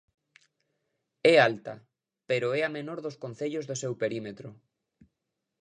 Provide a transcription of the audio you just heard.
É alta, pero é a menor dos concellos do seu perímetro.